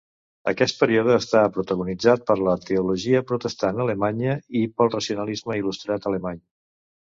Aquest període està protagonitzat per la teologia protestant alemanya i pel racionalisme il·lustrat alemany.